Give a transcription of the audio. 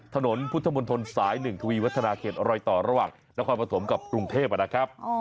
ถนนพุทธมนตรสายหนึ่งทวีวัฒนาเขตรอยต่อระหว่างและความผสมกับกรุงเทพอ่ะนะครับ